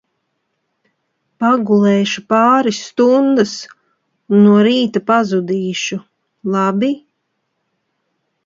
Pagulēšu pāris stundas, un no rīta pazudīšu, labi?